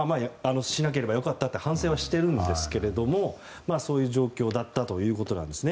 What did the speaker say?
しなければよかったと反省はしてるんですがそういう状況だったということなんですね。